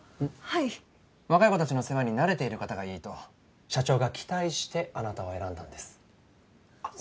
はい若い子たちの世話に慣れている方がいいと社長が期待してあなたを選んだんですあっ